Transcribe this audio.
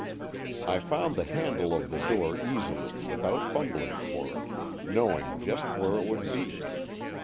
I found the handle of the door easily, without fumbling for it, knowing just where it would be.